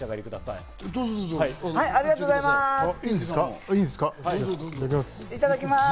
いただきます。